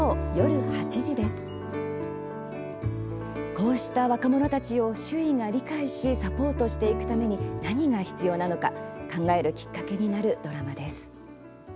こうした若者たちを周囲が理解しサポートしていくために何が必要なのか考えるきっかけになるドラマです。